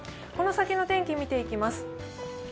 この先の天気、見ていきます。